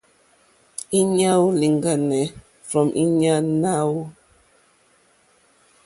Íɲá nóò lìŋɡáné from íɲá ná ò.